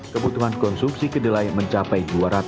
kebutuhan konsumsi kedelai mencapai